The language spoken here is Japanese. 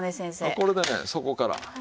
これでね底から。